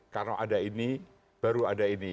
karena ada ini baru ada ini